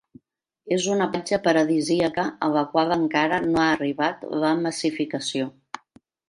És una platja paradisíaca a la qual encara no ha arribat la massificació.